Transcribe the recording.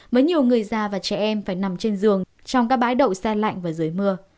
mấy nhiều người già và trẻ em phải nằm trên giường trong các bãi đậu xe lạnh và dưới mưa